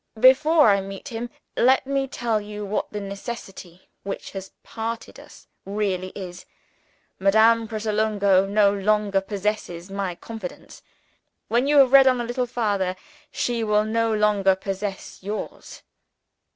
Before I meet him, let me tell you what the necessity which has parted us really is. Madame Pratolungo no longer possesses my confidence. When you have read on a little farther, she will no longer possess yours.